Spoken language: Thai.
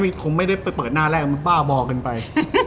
ผมไม่ได้เปิดหน้าแรกเหมือนบ้าบ่อกันไป